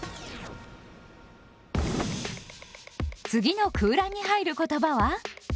次の空欄に入る言葉は？